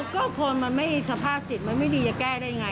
ก็คนมันไม่สภาพจิตมันไม่ดีจะแก้ได้ยังไง